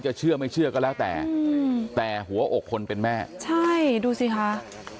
เชื่อไม่เชื่อก็แล้วแต่แต่หัวอกคนเป็นแม่ใช่ดูสิคะ